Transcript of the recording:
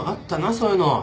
そういうの。